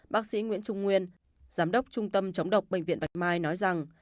bác sĩ nguyễn trung nguyên giám đốc trung tâm chống độc bệnh viện bạch mai nói rằng